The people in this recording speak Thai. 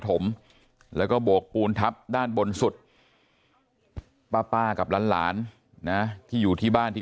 ถมแล้วก็โบกปูนทับด้านบนสุดป้ากับหลานนะที่อยู่ที่บ้านที่